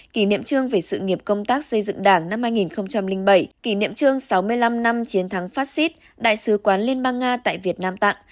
kỷ niệm chương về sự nghiệp công tác xây dựng đảng năm hai nghìn bảy kỷ niệm chương sáu mươi năm năm chiến thắng phát xít đại sứ quán liên bang nga tại việt nam tặng